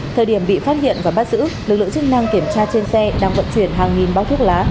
thời điểm bị phát hiện và bắt giữ lực lượng chức năng kiểm tra trên xe đang vận chuyển hàng nghìn bao thuốc lá